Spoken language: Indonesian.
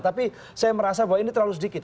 tapi saya merasa bahwa ini terlalu sedikit